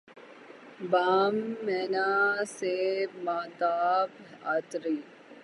بام مینا سے ماہتاب اترے